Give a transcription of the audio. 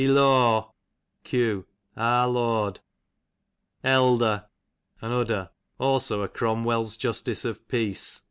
E law, q. ah. Lord. Elder, an udder; cdso a Cromwell's justice of peace.